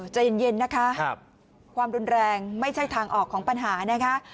ใจเย็นนะคะความรุนแรงไม่ใช่ทางออกของปัญหานะคะ